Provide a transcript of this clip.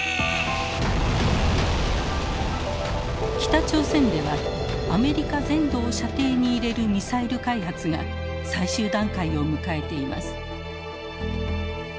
北朝鮮ではアメリカ全土を射程に入れるミサイル開発が最終段階を迎えています。